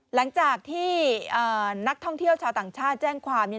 หลังจากที่นักท่องเที่ยวชาวต่างชาติแจ้งความ